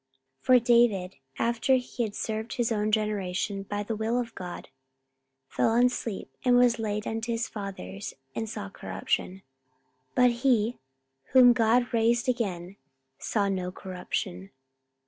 44:013:036 For David, after he had served his own generation by the will of God, fell on sleep, and was laid unto his fathers, and saw corruption: 44:013:037 But he, whom God raised again, saw no corruption.